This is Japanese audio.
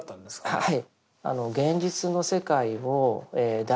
はい。